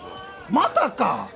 またか！？